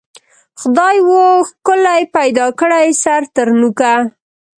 خدای وو ښکلی پیدا کړی سر تر نوکه